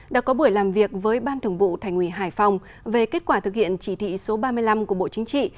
đã có buổi làm việc với ban thường vụ thành ủy hải phòng về kết quả thực hiện chỉ thị số ba mươi năm của bộ chính trị